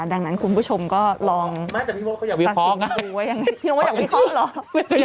ดังนั้นคุณผู้ชมก็ลองสาธิตรูไว้อย่างไรพี่พี่พ่อเขาอยากวิเคราะห์ไง